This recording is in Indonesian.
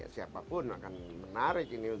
siapapun akan menarik ini